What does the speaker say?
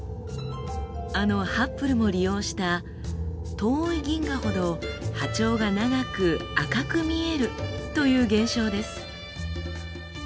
あのハッブルも利用した「遠い銀河ほど波長が長く赤く見える」という現象です。